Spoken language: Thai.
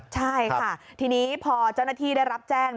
ใช่ค่ะทีนี้พอเจ้าหน้าที่ได้รับแจ้ง